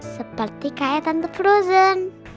seperti kayak tante frozen